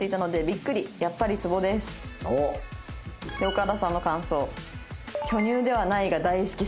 岡田さんの感想。